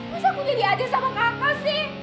masa aku jadi adil sama kakak sih